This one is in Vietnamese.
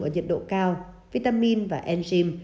ở nhiệt độ cao vitamin và enzyme